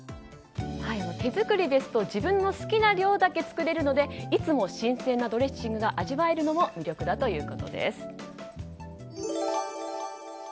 手作りですと自分の好きな量だけ作れるのでいつも新鮮なドレッシングが味わえるのも魅力だということです。